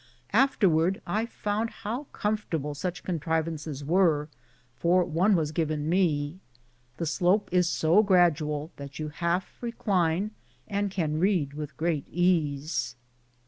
After wards I found how comfortable such contrivances were, for one was given me. The slope is so gradual that you half recline and can read with great ease.